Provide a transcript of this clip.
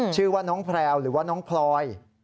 ชื่อว่าน้องแพรวหรือว่าน้องพลอย